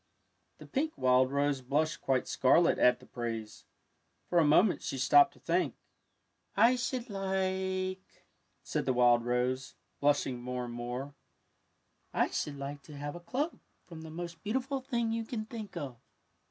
The pink wild rose blushed quite scarlet at the praise. For a moment she stopped to think. '' I should like," said the wild rose, blush ing more and more, '' I should like to have a cloak from the most beautiful thing you can think of.''